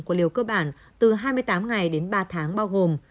của liều cơ bản từ hai mươi tám ngày đến ba tháng bao gồm